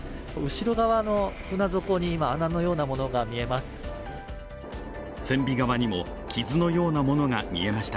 後ろ側の船底に今、穴のようなものが見えます。